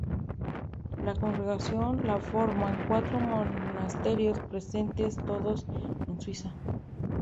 La congregación la forman cuatro monasterios presentes todos en Suiza.